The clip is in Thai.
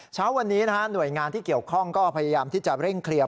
เช้าวันนี้นะฮะหน่วยงานที่เกี่ยวข้องก็พยายามที่จะเร่งเคลียร์